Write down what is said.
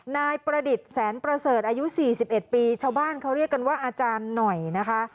นายประดิษฐ์แสนประเสริฐอายุ๔๑ปีชาวบ้านเขาเรียกกันว่าอาจารย์หน่อยนะคะ